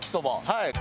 はい。